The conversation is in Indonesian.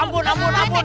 ampun ampun ampun